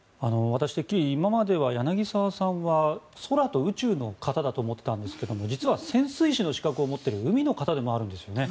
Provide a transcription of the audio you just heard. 私、てっきり今までは柳澤さんは空と宇宙の方だと思っていたんですが実は潜水士の資格を持っている海の方でもあるんですよね。